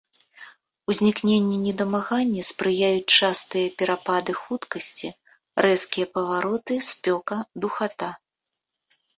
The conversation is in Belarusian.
Узнікненню недамагання спрыяюць частыя перапады хуткасці, рэзкія павароты, спёка, духата.